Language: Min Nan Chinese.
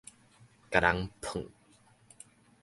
共人嗙